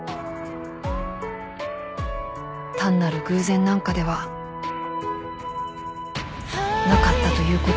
［単なる偶然なんかではなかったということを］